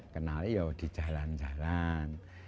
kenali ya di jalan jalan